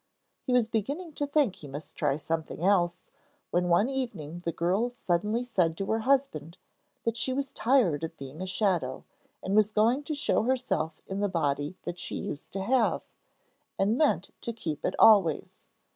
He was beginning to think he must try something else when one evening the girl suddenly said to her husband that she was tired of being a shadow, and was going to show herself in the body that she used to have, and meant to keep it always.